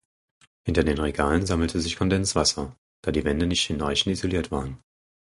Hinter den Regalen sammelte sich Kondenswasser, da die Wände nicht hinreichend isoliert waren.